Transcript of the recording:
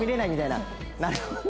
なるほどね。